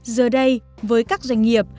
giờ đây với các doanh nghiệp